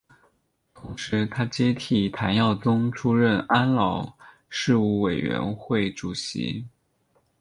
同时他接替谭耀宗出任安老事务委员会主席。